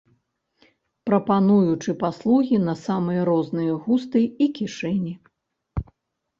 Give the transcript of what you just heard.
Прапануючы паслугі на самыя розныя густы і кішэні.